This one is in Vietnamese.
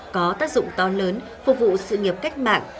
có tác dụng to lớn phục vụ sự nghiệp cách mạng